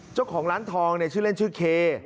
เจ้าของร้านทองชื่อเล่นชื่อเค